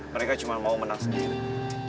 mereka cuma mau menang sendiri